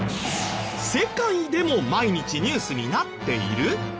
世界でも毎日ニュースになっている？